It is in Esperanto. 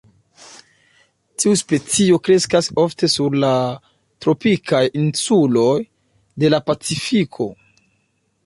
Tiu specio kreskas ofte sur la tropikaj insuloj de la Pacifiko.